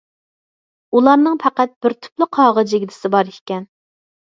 ئۇلارنىڭ پەقەت بىر تۈپلا قاغا جىگدىسى بار ئىكەن.